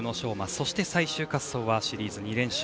そして、最終滑走はシリーズ２連勝